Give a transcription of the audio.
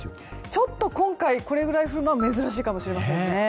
ちょっと今回これぐらい降るのは珍しいかもしれません。